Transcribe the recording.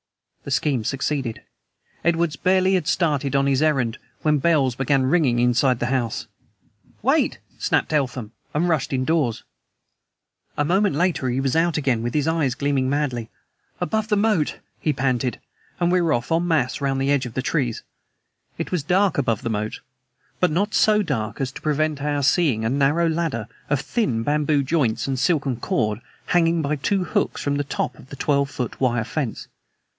The scheme succeeded. Edwards barely had started on his errand when bells began ringing inside the house. "Wait!" snapped Eltham, and rushed indoors. A moment later he was out again, his eyes gleaming madly. "Above the moat," he panted. And we were off en masse round the edge of the trees. It was dark above the moat; but not so dark as to prevent our seeing a narrow ladder of thin bamboo joints and silken cord hanging by two hooks from the top of the twelve foot wire fence.